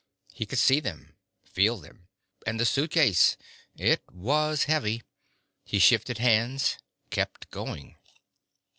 He could see them, feel them. And the suitcase. It was heavy; he shifted hands, kept going.